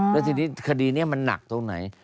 แล้วทีนี้คดีนี้มันหนักตรงไหน